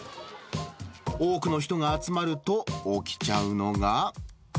多くの人が集まると、起きちゃうのが。